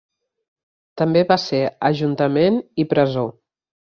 També va ser ajuntament i presó.